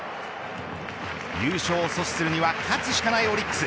優勝を阻止するには勝つしかないオリックス。